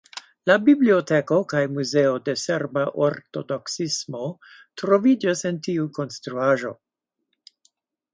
La biblioteko kaj muzeo de serba ortodoksismo troviĝas en tiu konstruaĵo.